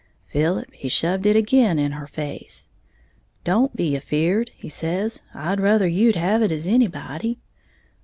Philip he shoved it ag'in' her face. 'Don't be afeared,' he says, 'I'd ruther you'd have it as anybody'.